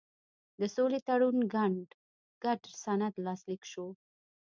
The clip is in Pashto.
د سولې تړون ګډ سند لاسلیک شو.